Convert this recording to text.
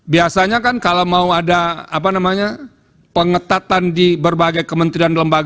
biasanya kan kalau mau ada apa namanya pengetahuan